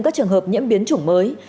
các trường hợp nhiễm biến chủng mới